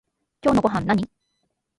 今日のごはんなに？